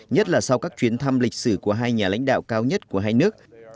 nhất là sau các chuyến thăm lịch sử của hai nhà lãnh đạo cao nhất của hai nước